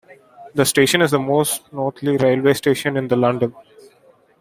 The station is the most northerly railway station in London.